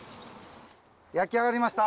焼き上がりました。